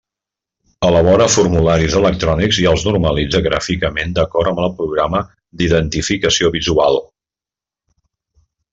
Elabora formularis electrònics i els normalitza gràficament d'acord amb el Programa d'Identificació Visual.